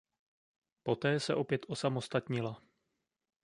Poté se opět osamostatnila.